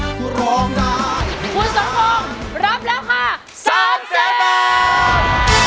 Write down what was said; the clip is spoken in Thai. คุณสมองรับราคา๓แสนบาท